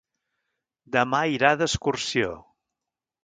Demà irà d'excursió.